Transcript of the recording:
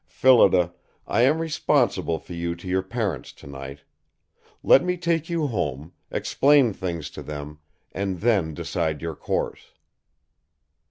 "Phillida, I am responsible for you to your parents tonight. Let me take you home, explain things to them, and then decide your course."